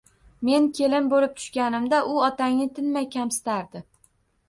Men kelin bo`lib tushganimda u otangni tinmay kamsitardi